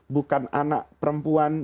bukan anak perempuan